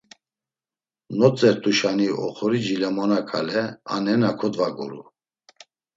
Notzert̆uşani oxori cilemona ǩale a nena kodvaguru.